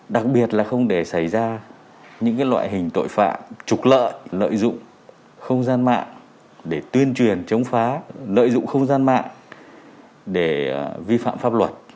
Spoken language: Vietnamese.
đặc biệt là không để xảy ra những loại hình tội phạm trục lợi lợi dụng không gian mạng để tuyên truyền chống phá lợi dụng không gian mạng để vi phạm pháp luật